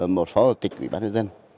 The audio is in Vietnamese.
một phó chủ tịch ubnd